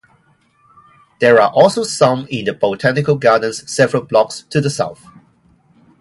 There are also some in the Botanical Gardens several blocks to the south.